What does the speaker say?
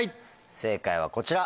正解はこちら。